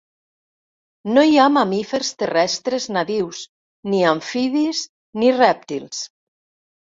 No hi ha mamífers terrestres nadius, ni amfibis ni rèptils.